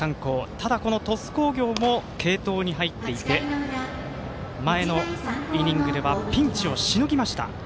ただ、鳥栖工業も継投に入っていて前のイニングではピンチをしのぎました。